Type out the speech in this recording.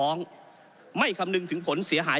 ก็ได้มีการอภิปรายในภาคของท่านประธานที่กรกครับ